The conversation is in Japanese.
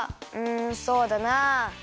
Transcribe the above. うんそうだな。